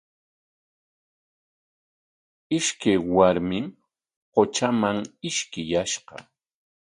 Ishkay warmim qutraman ishkiyashqa.